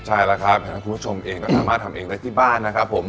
ใช่แล้วครับอย่างนั้นคุณผู้ชมเองก็สามารถทำเองได้ที่บ้านนะครับผม